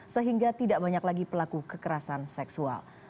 sehingga tidak banyak lagi pelaku kekerasan seksual